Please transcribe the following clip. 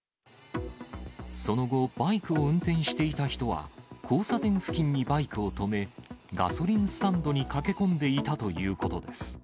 その後、バイクを運転していた人は、交差点付近にバイクを止め、ガソリンスタンドに駆け込んでいたということです。